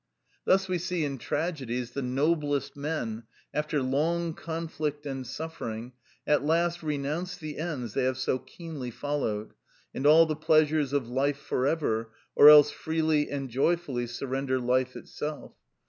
Thus we see in tragedies the noblest men, after long conflict and suffering, at last renounce the ends they have so keenly followed, and all the pleasures of life for ever, or else freely and joyfully surrender life itself.